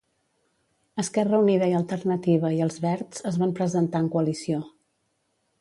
EUiA i Els Verds es van presentar en coalició.